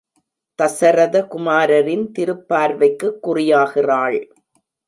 தசரத குமாரின் திருப்பார்வைக்குக் குறியாகிறாள்.